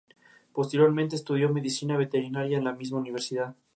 Como resultado de esta experiencia, Lehi comienza a predicar el arrepentimiento a su pueblo.